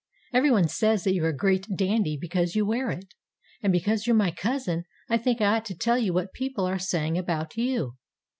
Everybody says that you're a great dandy because you wear it. And since you're my cousin, I think I ought to tell you what people are saying about you."